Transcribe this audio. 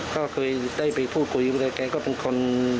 เขาก็ได้ไปพูดคุยกันเขาก็เป็นคน